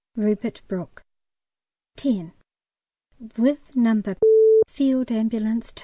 RUPERT BROOKE. X. With No. Field Ambulance (2).